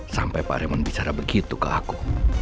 sampai pak remon bicara begitu ke aku